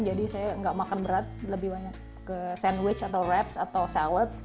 jadi saya nggak makan berat lebih banyak ke sandwich atau wraps atau salad